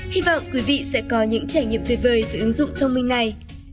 hy vọng quý vị sẽ có những trải nghiệm tuyệt vời với ứng dụng thông minh này